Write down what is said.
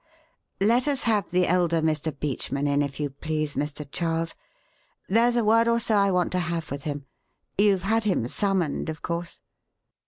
Let us have the elder Mr. Beachman in, if you please, Sir Charles; there's a word or so I want to have with him. You've had him summoned, of course!"